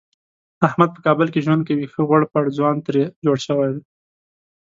احمد په کابل کې ژوند کوي ښه غوړپېړ ځوان ترې جوړ شوی دی.